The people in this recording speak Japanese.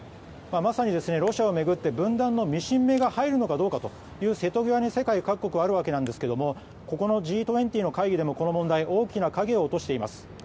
まさにロシアを巡って分断のミシン目が入るのかという境目に世界はあるわけなんですけれどもここのＧ２０の会議でもこの問題大きな影を落としています。